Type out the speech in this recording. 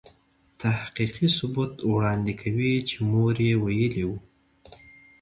تحقیقي ثبوت وړاندې کوي چې مور يې ویلې وه.